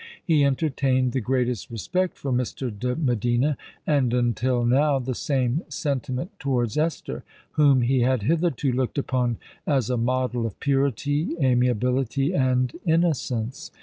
He entertained the greatest respect for Mr. de Medina, and—until now—the same sentiment towards Esther, whom he had hitherto looked upon as a model of purity, amiability, and innocence.